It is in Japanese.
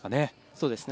そうですね。